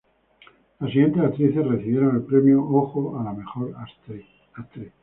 Las siguientes actrices recibieron el premio Ojo a la Mejor Actriz.